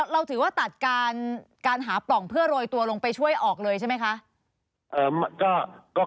เราถือว่าตัดการหาปล่องเพื่อโรยตัวลงไปช่วยออกเลยใช่ไหมคะ